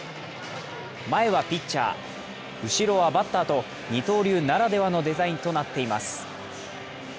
前はピッチャー、後ろはバッターと二刀流ならではのデザインとなっています。